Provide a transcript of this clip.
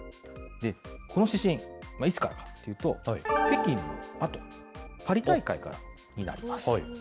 この指針、いつからかというと、北京のあと、パリ大会からになります。